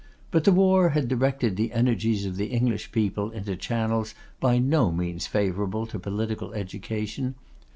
But the war had directed the energies of the English people into channels by no means favourable to political education.